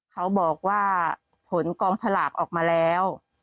เขาบอกว่าผลกองฉลากออกมาแล้ว